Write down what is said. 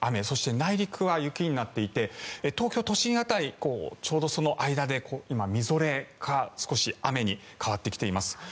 そして内陸は雪になっていて東京都心辺りはちょうどその間で、みぞれか少し雨に変わってきています。